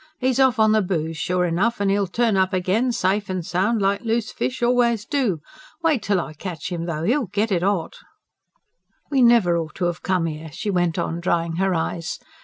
'E's off on the booze, sure enough and 'e'll turn up again, safe and sound, like loose fish always do. Wait till I catch 'im though! He'll get it hot." "We never ought to have come here," she went on drying her eyes.